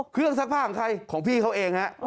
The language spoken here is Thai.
เครื่องซักผ้าของใครของพี่เขาเองนะฮะ